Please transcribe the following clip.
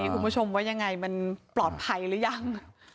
คุณผู้ชมว่ายังไงมันปลอดภัยหรือยัง